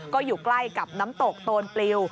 ก็อยู่ใกล้กับน้ำตกโตนปลิว